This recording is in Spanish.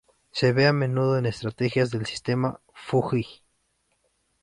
Se ve a menudo en estrategias del Sistema Fujii.